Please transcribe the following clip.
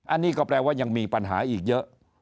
อันนี้ก็แปลว่ายังมีปัญหาอีกเยอะ